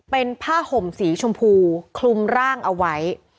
เป็นผ้าห่มสีชมพูคลุมร่างเอาไว้